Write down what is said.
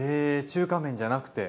中華麺じゃなくて？